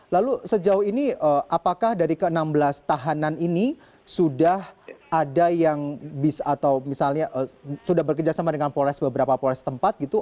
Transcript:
lalu sejauh ini apakah dari ke enam belas tahanan ini sudah ada yang bisa atau misalnya sudah bekerjasama dengan beberapa polres tempat gitu